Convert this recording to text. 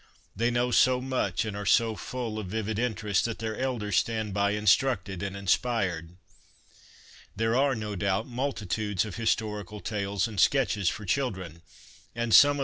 They know so much and are so full of vivid interest that their elders stand by instructed and inspired. There are, no doubt, multitudes of historical tales and sketches for children, and some of 1 See Appendix A.